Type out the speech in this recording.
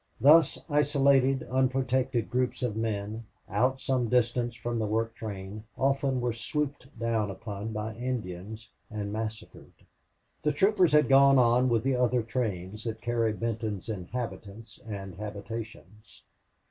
Thus isolated, unprotected groups of men, out some distance from the work train, often were swooped down upon by Indians and massacred. The troopers had gone on with the other trains that carried Benton's inhabitants and habitations.